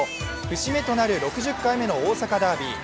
節目となる６０回目の大阪ダービー。